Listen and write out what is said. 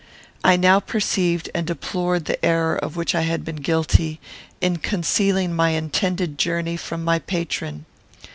I now perceived and deplored the error of which I had been guilty, in concealing my intended journey from my patron.